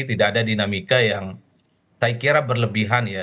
tidak ada dinamika yang saya kira berlebihan ya